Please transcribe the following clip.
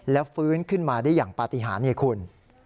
แล้วฟื้นขึ้นมาได้อย่างปฏิหารให้คุณ